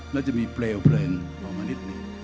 แล้วจะมีเปลวเผลินออกมานิดหนึ่ง